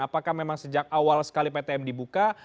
apakah memang sejak awal sekali ptm dibuka